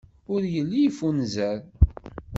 Ur yelli yeffunzer.